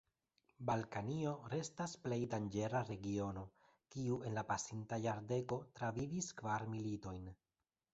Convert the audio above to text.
Balkanio restas plej danĝera regiono, kiu en la pasinta jardeko travivis kvar militojn.